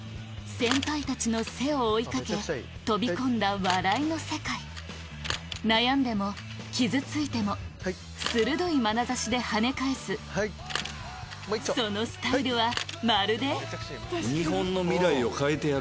先輩たちの背を追い掛け飛び込んだ笑いの世界悩んでも傷ついても鋭いまなざしではね返すそのスタイルはまるでハハハハ！